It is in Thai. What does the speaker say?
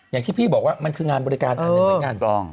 อย่างที่พี่บอกว่ามันคืองานบริการนั้นถูกต้อง